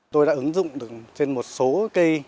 tôi đã ứng dụng được trên một số cây